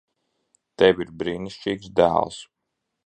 Tev ir brīnišķīgs dēls.